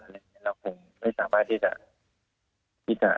เราคงไม่สามารถที่จะ